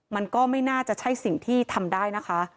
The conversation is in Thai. มันก็ไม่น่าจะใช่สิ่งที่ทำได้นะคะ